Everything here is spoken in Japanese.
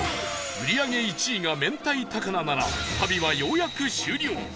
売り上げ１位が明太高菜なら旅はようやく終了